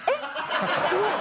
すごい。